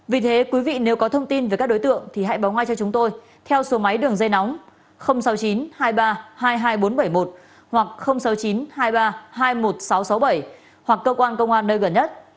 vì thế quý vị nếu có thông tin về các đối tượng thì hãy báo ngay cho chúng tôi theo số máy đường dây nóng sáu mươi chín hai mươi ba hai mươi hai nghìn bốn trăm bảy mươi một hoặc sáu mươi chín hai mươi ba hai mươi một nghìn sáu trăm sáu mươi bảy hoặc cơ quan công an nơi gần nhất